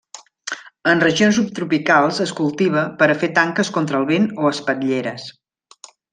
En regions subtropicals es cultiva per a fer tanques contra el vent o espatlleres.